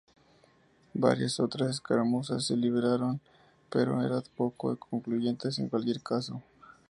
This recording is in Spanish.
Varias otras escaramuzas se libraron, pero eran poco concluyentes en cualquier caso.